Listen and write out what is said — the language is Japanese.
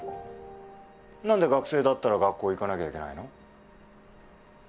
何で学生だったら学校行かなきゃいけないの？